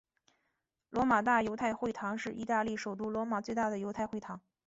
罗马大犹太会堂是意大利首都罗马最大的犹太会堂。